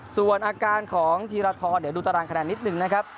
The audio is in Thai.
ส่วนอาการของธีรทรเดี๋ยวดูตารางคะแนนนิดนึงนะครับ